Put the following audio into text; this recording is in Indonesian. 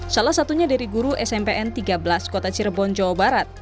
salah satunya dari guru smpn tiga belas kota cirebon jawa barat